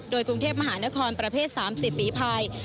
โดยกรุงเทพมหานครประเภท๓๐ฝีภาย